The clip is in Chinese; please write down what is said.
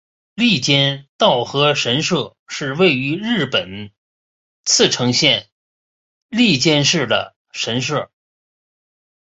笠间稻荷神社是位于日本茨城县笠间市的神社。